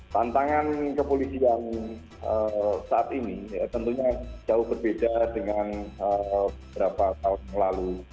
tantangan kepolisian saat ini tentunya jauh berbeda dengan beberapa tahun yang lalu